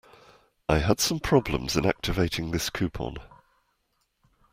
I had some problems in activating this coupon.